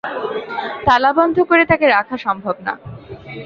তালাবন্ধ করে তাকে রাখা সম্ভব না।